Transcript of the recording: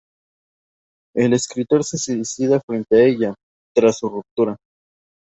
El escritor se suicida frente a ella, tras su ruptura.